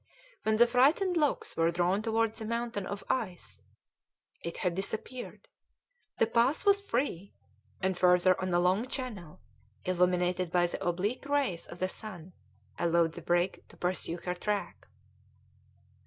When their frightened looks were drawn towards the mountain of ice it had disappeared; the pass was free, and further on a long channel, illuminated by the oblique rays of the sun, allowed the brig to pursue her track.